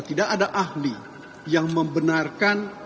tidak ada ahli yang membenarkan